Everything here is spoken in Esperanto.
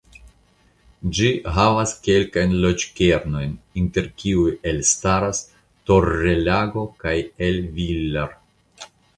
Ĝi havas kelkajn loĝkernojn inter kiuj elstaras Torrelago kaj El Villar.